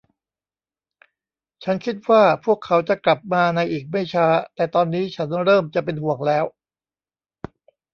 ฉันคิดว่าพวกเขาจะกลับมาในอีกไม่ช้า แต่ตอนนี้ฉันเริ่มจะเป็นห่วงแล้ว